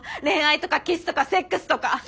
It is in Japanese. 恋愛とかキスとかセックスとか！